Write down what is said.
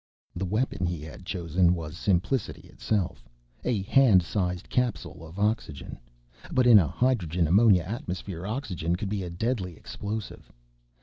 The weapon he had chosen was simplicity itself—a hand sized capsule of oxygen. But in a hydrogen/ammonia atmosphere, oxygen could be a deadly explosive.